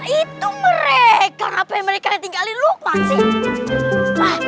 itu mereka apa yang mereka tinggalin lu maksih